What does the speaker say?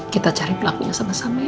kita cari pelakunya sama sama